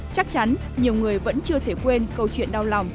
chắc chắn nhiều người vẫn chưa thể quên câu chuyện đau lòng